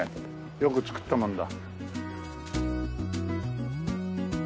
よく造ったもんだ。